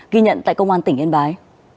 ghi nhận tại công an tỉnh yên bái